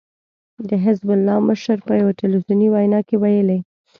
د حزب الله مشر په يوه ټلويزیوني وينا کې ويلي